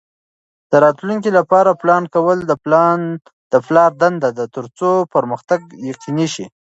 د راتلونکي لپاره پلان کول د پلار دنده ده ترڅو پرمختګ یقیني شي.